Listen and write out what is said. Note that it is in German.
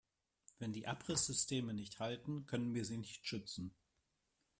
Wenn die Abrisssysteme nicht halten, können wir sie nicht schützen.